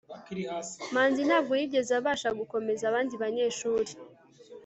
manzi ntabwo yigeze abasha gukomeza abandi banyeshuri